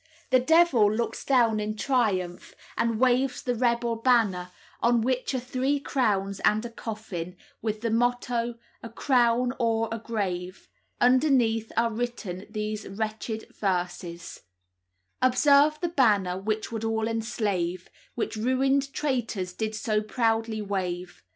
The devil looks down in triumph and waves the rebel banner, on which are three crowns and a coffin, with the motto, "A crown or a grave." Underneath are written these wretched verses: "Observe the banner which would all enslave, Which ruined traytors did so proudly wave.